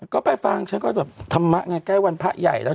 ก็ไปฟังฉันก็แบบธรรมะไงใกล้วันพระใหญ่แล้ว